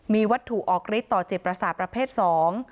มีวัตถุออกฤทธิต่อจิตประสาทประเภทสอง